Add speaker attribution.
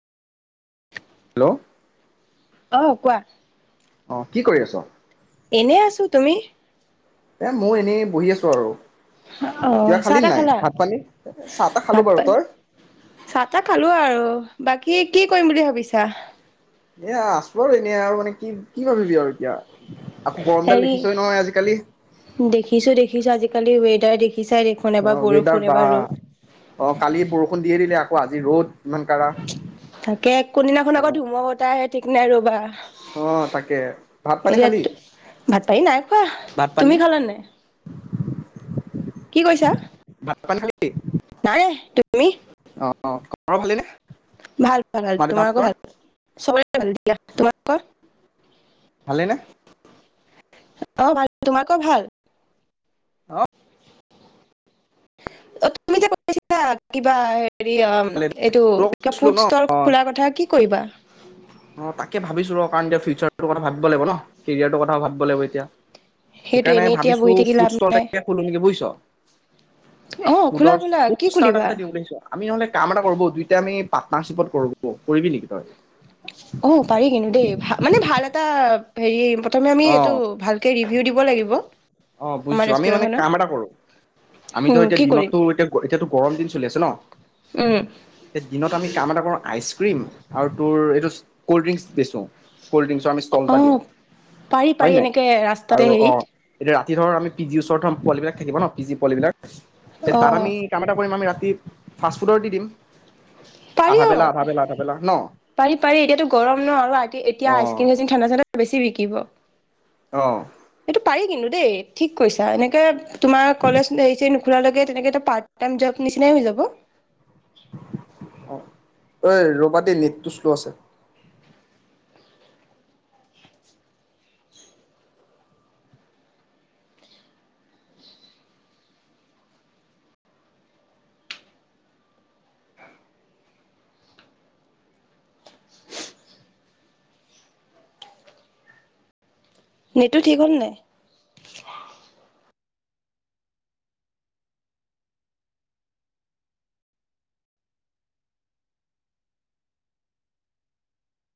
Speaker 1: Hello!
Speaker 2: অ কোৱা
Speaker 1: অ কি কৰি আছ'?
Speaker 2: এনে আছো তুমি?
Speaker 1: এ মোৰ এনেই [unintelligible]
Speaker 2: অ
Speaker 1: কিবা খালি
Speaker 2: চাহ-তাহ
Speaker 1: নাই
Speaker 2: খালা?
Speaker 1: ভাত পানী চাহ তাহ খালো বাৰু
Speaker 2: ভাত-পানী
Speaker 1: তই
Speaker 2: চাহ-তাহ খালো আৰু বাকী কি কৰিম বুলি ভাবিছা?
Speaker 1: এয়া আছো আৰু এনেই আৰু মানে কি কি ভাবিবি আৰু এতিয়া আকৌ গৰমডাল
Speaker 2: হেৰি
Speaker 1: দেখিছই নহয় আজিকালি
Speaker 2: [unintelligible] আজিকালি ৱেডাৰ [unintelligible] এবাৰ
Speaker 1: অ'
Speaker 2: বৰষুণ
Speaker 1: ৱেডাৰ
Speaker 2: এবাৰ ৰ'দ
Speaker 1: [unintelligible] অ কালি বৰষুণ দিয়ে দিলে আকৌ আজি ৰ'দ ইমান কাৰা
Speaker 2: তাকে কোনদিনাখন আকৌ ধুমূহা বতাহ আহে ঠিক নাই ৰবা
Speaker 1: অ তাকে ভাত পানী
Speaker 2: এতিয়া
Speaker 1: খালি
Speaker 2: ভাত পানী নাই খোৱা
Speaker 1: ভাত পানী
Speaker 2: তুমি খালানে? কি কৈছা?
Speaker 1: [unintelligible]
Speaker 2: নাই তুমি?
Speaker 1: [unintelligible]
Speaker 2: ভাল ভাল
Speaker 1: মা
Speaker 2: তোমালোকোৰ
Speaker 1: দেউতাহঁতৰ
Speaker 2: ভাল? [unintelligible] [unintelligible] [unintelligible] [unintelligible] তোমালোকৰ
Speaker 1: ভালেনে?
Speaker 2: অ' ভাল তোমালোকৰ ভাল?
Speaker 1: [unintelligible]
Speaker 2: অ' তুমি যে [unintelligible] কিবা এই হেৰি
Speaker 1: ভালে দে।
Speaker 2: এইটো
Speaker 1: তোৰ
Speaker 2: কিবা
Speaker 1: কৈছিলো ন
Speaker 2: ফুডষ্টৰ
Speaker 1: অ
Speaker 2: খোলাৰ কথা কি কৰিবা?
Speaker 1: অ তাকে ভাবিছো ৰ। কাৰণ এতিয়া ফিউচাৰটো কথা ভাবিব লাগিব ন কেৰিয়াৰটোৰ কথা ভাবিব লাগিব এতিয়া।
Speaker 2: সেইটো
Speaker 1: সেইকাৰণে
Speaker 2: এনেই এতিয়া
Speaker 1: ভাবিছো
Speaker 2: বহি থাকি লাভ
Speaker 1: ফুডষ্টল
Speaker 2: নাই।
Speaker 1: এটাকে খোলো নেকি বুজিছ।
Speaker 2: অ' খোলা
Speaker 1: ফুডৰ
Speaker 2: খোলা
Speaker 1: ফুড
Speaker 2: কি
Speaker 1: ষ্টাৰ্টাৰ
Speaker 2: খুলিবা?
Speaker 1: এটা দিও [unintelligible] আমি নহলে কাম এটা কৰোঁ ব'ল দুইটাই আমি পাৰ্টনাৰচিপত কৰোঁ [unintelligible] কৰিবি নিকি তই?
Speaker 2: অ' পাৰি কিন্তু দেই ভা মানে ভাল [unintelligible] হেৰী [unintelligible]
Speaker 1: অ অ
Speaker 2: আমাৰ
Speaker 1: বুজিছো আমি মানে
Speaker 2: ৰেষ্টুৰেণ্টখনৰ
Speaker 1: কাম এটা কৰো অ অ কৈছো আমি মানে কাম এটা কৰো আমি
Speaker 2: উম,
Speaker 1: এতিয়া
Speaker 2: কি কৰিম
Speaker 1: দিনতো এতিয়া এতিয়া টো গৰম দিন চলি আছে ন
Speaker 2: উম,
Speaker 1: দিনত আমি কাম এটা কৰো। আইচ ক্ৰীম আৰু তোৰ এইটো।। Cold drinks বেছোঁ। কল্ড্ৰিংচৰ আমি ষ্টল এটা দিওঁ।
Speaker 2: অ' পাৰি
Speaker 1: হয়
Speaker 2: পাৰি
Speaker 1: নে নাই
Speaker 2: এনেকে
Speaker 1: আৰু
Speaker 2: ৰাস্তাতে
Speaker 1: অ
Speaker 2: হেৰিত।।
Speaker 1: ৰাতি ধৰ আমি পি জিৰ ওচৰত থম পোৱালি বিলাক থাকিব ন পি জিৰ পোৱালি বিলাক। তে তাত
Speaker 2: অ'
Speaker 1: আমি কাম এটা কৰিম আমি ৰা।। দি ফাষ্টফুডৰ দি দিম।
Speaker 2: পাৰি
Speaker 1: আধা
Speaker 2: অ
Speaker 1: বেলা আধা বেলা আধা বেলা ন
Speaker 2: পাৰি পাৰি এতিয়াতো গৰম ন আৰু এতিয়া
Speaker 1: অ
Speaker 2: আইচ ক্ৰীম চাইচক্ৰীম ঠাণ্ডা ঠাণ্ডাত বেছি ৰি।। [inaudible] থাকিব।
Speaker 1: অ,
Speaker 2: সেইটো পাৰি কিন্তু দেই ঠিক কৈছা এনেকে, তোমাৰ কলেজ হেৰি চেৰি নোখোলালৈকে তেনেকে এটা পাৰ্টটাইম জব নিচিনাই হৈ যাব।
Speaker 1: অ অই ৰবা দেই নেতটো শ্লু আছে।
Speaker 2: নেতটো ঠিক হ'ল নাই?